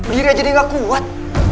dirinya jadi gak kuat